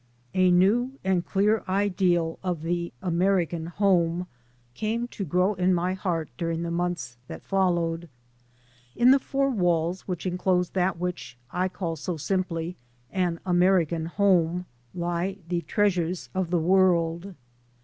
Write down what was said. A new and clear ideal of the American home came to grow in my heart during the months that followed. In the four walls which enclose that which I call so simply "an American home " lie the 3 by Google MY MOTHER AND I treasures of the world.